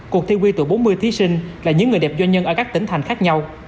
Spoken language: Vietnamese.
cuộc thi quy tụ bốn mươi thí sinh là những người đẹp doanh nhân ở các tỉnh thành khác nhau